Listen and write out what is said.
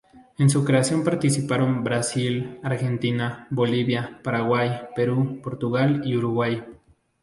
En su creación participaron Brasil, Argentina, Bolivia, Paraguay, Perú, Portugal y Uruguay.